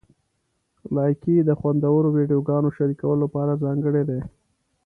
لایکي د خوندورو ویډیوګانو شریکولو لپاره ځانګړی دی.